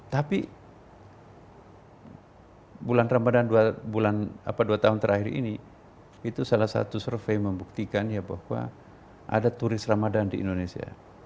tapi bulan ramadan dua tahun terakhir ini itu salah satu survei membuktikan ya bahwa ada turis ramadhan di indonesia